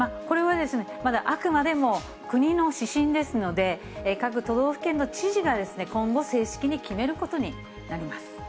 これは、まだあくまでも国の指針ですので、各都道府県の知事が今後、正式に決めることになります。